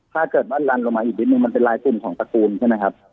ถ้าเกิดว่าลันลงมาอีกนิดนึงมันเป็นลายกลุ่มของตระกูลใช่ไหมครับ